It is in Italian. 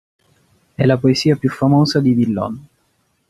È la poesia più famosa di Villon.